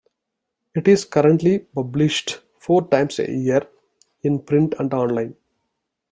It is currently published four times a year, in print and online.